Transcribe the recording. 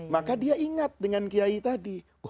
maka dia ingat dengan kiai tadi